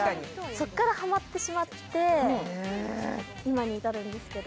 そこからハマってしまって今に至るんですけど。